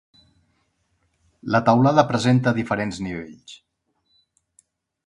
La teulada presenta diferents nivells.